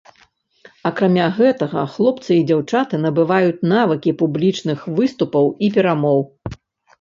Акрамя гэтага, хлопцы і дзяўчаты набываюць навыкі публічных выступаў і перамоў.